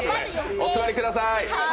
お座りください。